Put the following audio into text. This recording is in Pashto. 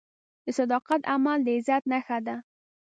د صداقت عمل د عزت نښه ده.